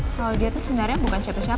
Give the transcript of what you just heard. kalau dia itu sebenarnya bukan siapa siapa